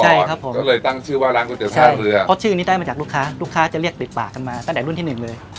ใช่ครับผมก็เลยตั้งชื่อว่าร้านก๋วเตี๋ท่าเรือเพราะชื่อนี้ได้มาจากลูกค้าลูกค้าจะเรียกติดปากกันมาตั้งแต่รุ่นที่หนึ่งเลย